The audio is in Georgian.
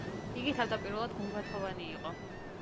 იგი თავდაპირველად გუმბათოვანი იყო.